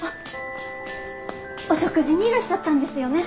お食事にいらっしゃったんですよね？